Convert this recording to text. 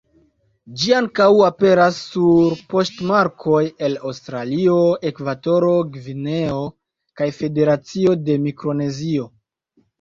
Ĝi ankaŭ aperas sur poŝtmarkoj el Aŭstralio, Ekvatora Gvineo kaj Federacio de Mikronezio.